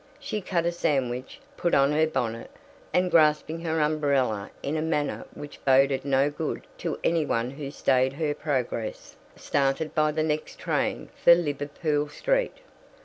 She cut a sandwich, put on her bonnet, and, grasping her umbrella in a manner which boded no good to any one who stayed her progress, started by the next train for Liverpool Street.